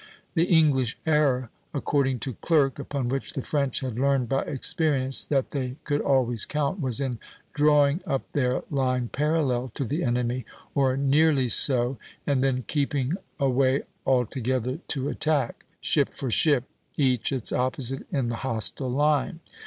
The English error, according to Clerk, upon which the French had learned by experience that they could always count, was in drawing up their line parallel to the enemy, or nearly so, and then keeping away all together to attack, ship for ship, each its opposite in the hostile line.